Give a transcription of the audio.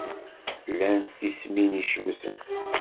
Llant tissmin icemmten.